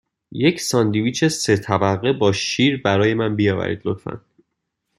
یک ساندویچ سه طبقه با شیر برای من بیاورید، لطفاً.